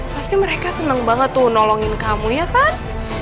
pasti mereka senang banget tuh nolongin kamu ya kan